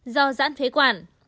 do giãn phế quản